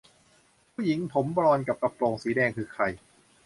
ผู้หญิงผมบลอนด์กับกระโปรงสีแดงคือใคร ?